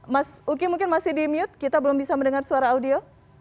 mas uki mungkin masih di mute kita belum bisa mendengar suara audio